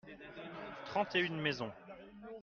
trente et une maisons.